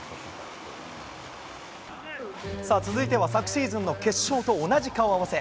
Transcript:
続いては昨シーズンの決勝と同じ顔合わせ。